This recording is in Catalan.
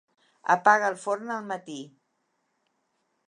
Apaga el forn al matí.